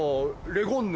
レゴンヌ？